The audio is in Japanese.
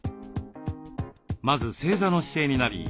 まず正座の姿勢になり